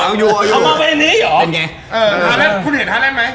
คุณเห็นฮาร์แรนด์ไหม